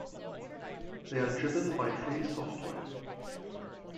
They are driven by free software.